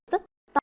trong cơn sông